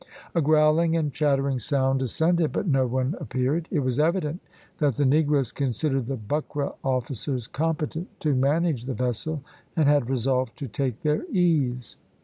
A growling and chattering sound ascended, but no one appeared. It was evident that the negroes considered the buckra officers competent to manage the vessel, and had resolved to take their ease.